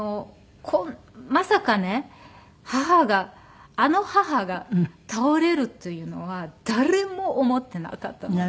まさかね母があの母が倒れるというのは誰も思っていなかったので。